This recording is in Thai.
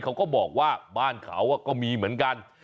เขาก็บอกว่าบ้านเขาก็มีเหมือนกัน